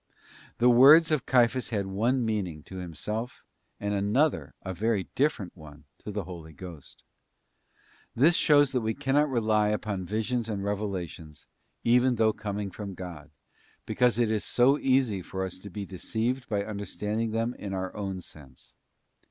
'§ The words of Caiphas had one meaning to himself, and another, a very different one, to the Holy Ghost. This shows us that we cannot rely upon visions and revela tions, even though coming from God, because it is so easy for us to be deceived by understanding them in our own sense.